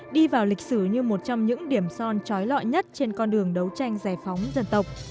đi vào lịch sử như một trong những điểm son trói lọi nhất trên con đường đấu tranh giải phóng dân tộc